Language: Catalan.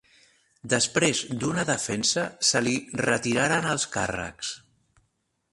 Després d'una defensa se li retiraren els càrrecs.